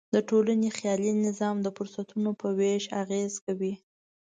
د ټولنې خیالي نظام د فرصتونو په وېش اغېز کوي.